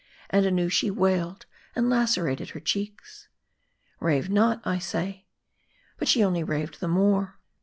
And anew she wailed, and lacerated her cheeks. " Rave not, I say.""' But she only raved the more.